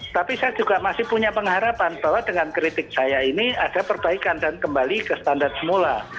tapi saya juga masih punya pengharapan bahwa dengan kritik saya ini ada perbaikan dan kembali ke standar semula